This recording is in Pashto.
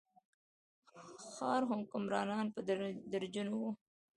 ښار حکمرانان په درجنونو وو.